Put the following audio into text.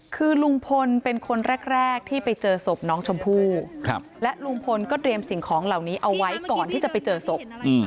คือลุงพลเป็นคนแรกที่ไปเจอศพน้องชมพู่และลุงพลก็เตรียมสิ่งของเหล่านี้เอาไว้ก่อนที่จะไปเจอศพ